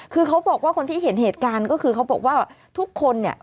คือเขาบอกว่าคนที่เห็นเหตุการณ์ก็คือเขาบอกว่าทุกคนเนี่ย